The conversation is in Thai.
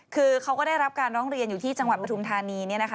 คือเขาก็ได้รับการร้องเรียนอยู่ที่จังหวัดปฐุมธานี